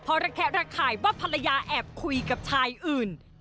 พอระแคะระข่ายว่าภรรยาแอบคุยกับชายอื่น